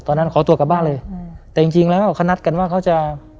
ขอตัวกลับบ้านเลยอืมแต่จริงจริงแล้วเขานัดกันว่าเขาจะ